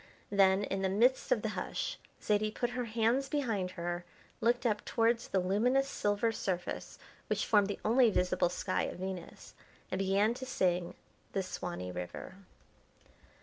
Then, in the midst of the hush, Zaidie put her hands behind her, looked up towards the luminous silver surface which formed the only visible sky of Venus, and began to sing "The Swanee River."